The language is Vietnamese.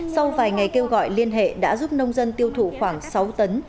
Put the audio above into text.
sau vài ngày kêu gọi liên hệ đã giúp nông dân tiêu thụ khoảng sáu tấn